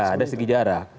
ya ada segi jarak